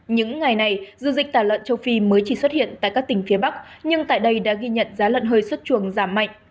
những ngày này dư dịch tả lợn châu phi mới chỉ xuất hiện tại các tỉnh phía bắc nhưng tại đây đã ghi nhận giá lợn hơi xuất chuồng giảm mạnh